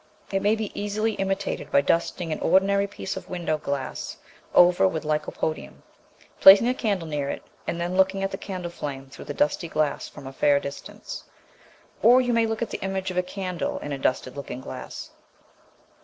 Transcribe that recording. It may be easily imitated by dusting an ordinary piece of window glass over with lycopodium, placing a candle near it, and then looking at the candle flame through the dusty glass from a fair distance. Or you may look at the image of a candle in a dusted looking glass.